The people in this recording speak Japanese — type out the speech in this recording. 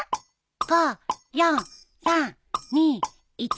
５４３２１。